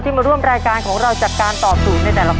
มาร่วมรายการของเราจากการตอบถูกในแต่ละคน